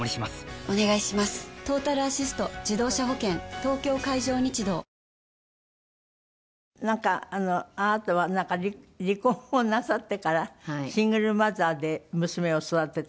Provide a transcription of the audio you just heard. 東京海上日動なんかあなたは離婚をなさってからシングルマザーで娘を育てた？